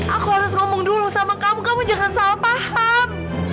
aku harus ngomong dulu sama kamu kamu jangan salah paham